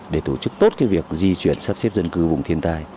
để tổ chức tốt cái việc di chuyển sắp xếp dân cư vùng thiên tai